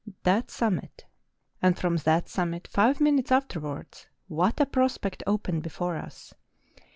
197 that summit; and from that summit, five minutes afterwards, what a prospect opened before us